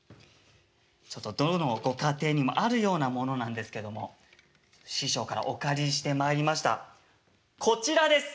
ちょっとどのご家庭にもあるようなものなんですけども師匠からお借りしてまいりましたこちらです。